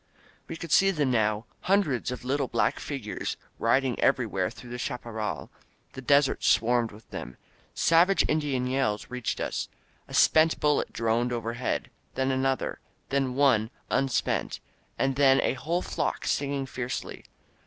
We could see them now, hundreds of little black fig ures riding everywhere through the chaparral; the desert swarmed with them. Savage Indian yells reached us. A spent bullet droned overhead, then an other; then one unspent, and then a whole flock sing ing fiercely.